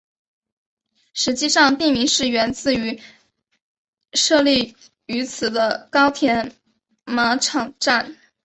实际上地名是源自于设立于此的高田马场站。